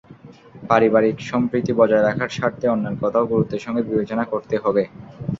পারিবারিক সম্প্রীতি বজায় রাখার স্বার্থে অন্যের কথাও গুরুত্বের সঙ্গে বিবেচনা করতে হবে।